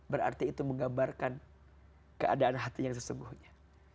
berarti itu menggambarkan keadaan hati yang sesungguhnya